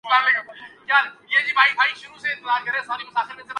اور حکومت منہ دیکھتی رہتی ہے